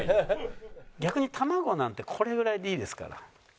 逆に卵なんてこれぐらいでいいですから。